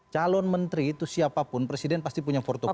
calon menteri itu siapapun presiden pasti punya portfoli